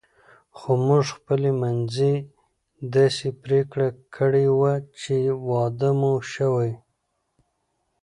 خو موږ خپل منځي داسې پرېکړه کړې وه چې واده مو شوی.